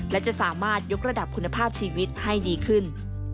และจะสามารถยกระดับคุณภาพชีวิตให้ดีขึ้น